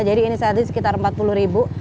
jadi ini saya ada sekitar empat puluh ribu